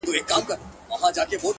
نه ـ نه داسي نه ده ـ